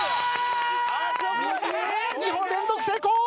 ２本連続成功！